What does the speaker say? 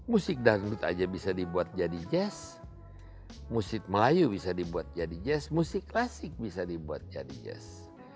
musik dangdut aja bisa dibuat jadi jazz musik melayu bisa dibuat jadi jazz musik klasik bisa dibuat jadi yes